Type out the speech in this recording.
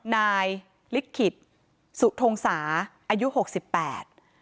นายลิขิตสุทงศาอายุหกสิบแปด